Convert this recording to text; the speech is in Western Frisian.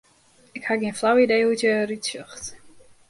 Ik ha gjin flau idee hoe't hja derút sjocht.